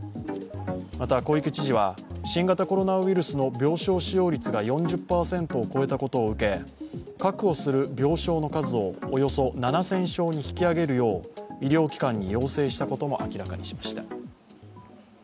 また小池知事は、新型コロナウイルスの病床使用率が４０％を超えたことを受け、確保する病床の数をおよそ７０００床に引き上げるよう医療機関に要請したことも明らかにしました。